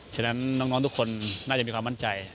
ฉะนั้นน้องทุกคนน่าจะมีความมั่นใจ